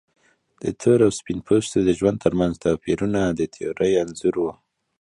د تور او سپین پوستو د ژوند ترمنځ توپیرونه د تیورۍ انځور و.